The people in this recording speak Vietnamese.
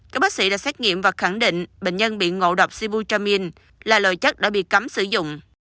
các bác sĩ đã xét nghiệm và khẳng định bệnh nhân bị ngộ độc sibu chamin là loại chất đã bị cấm sử dụng